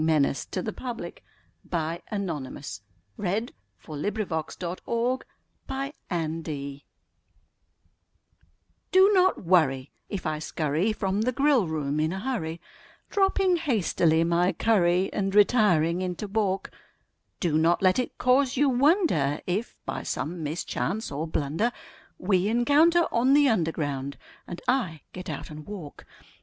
182 SUCH NONSENSE! CUPID'S DARTS (Which are a growing menace to the public) Do not worry if I scurry from the grill room in a hurry, Dropping hastily my curry and re tiring into balk ; Do not let it cause you wonder if, by some mischance or blunder, We encounter on the Underground and I get out and walk.